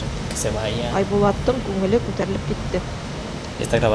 Айбулаттың күңеле күтәрелеп китте.